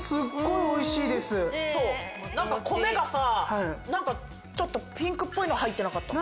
そう米がさ何かちょっとピンクっぽいの入ってなかった？